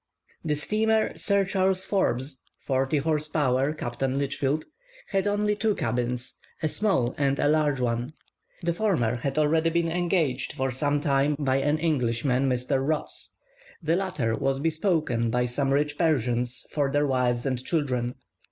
The steamer "Sir Charles Forbes" (forty horse power, Captain Lichfield) had only two cabins, a small and a large one. The former had already been engaged for some time by an Englishman, Mr. Ross; the latter was bespoken by some rich Persians for their wives and children.